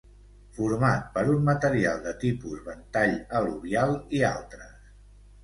Format per un material de tipus ventall al·luvial i altres.